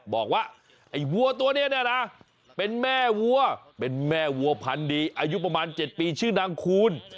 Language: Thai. บอกว่าไอ้วัวตัวนี้เนี่ยนะเป็นแม่วัวเป็นแม่วัวพันดีอายุประมาณ๗ปีชื่อนางคูณ